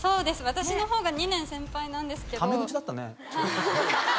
私の方が２年先輩なんですけど。